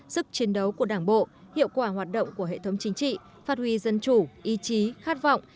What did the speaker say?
sức chiến đấu của đảng bộ hiệu quả hoạt động của hệ thống chính trị phát huy dân chủ ý chí khát vọng